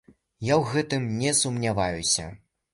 Я ў гэтым не сумняваюся.